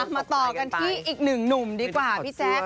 มาต่อกันที่อีกหนึ่งหนุ่มดีกว่าพี่แจ๊ค